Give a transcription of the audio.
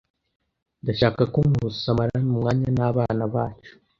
Ndashaka ko Nkusi amarana umwanya nabana bacu.